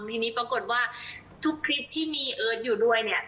ทีนี้ปรากฏว่าทุกคลิปที่มีเอิร์ทอยู่ด้วยเนี่ย